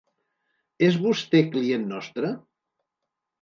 És vostè client nostre?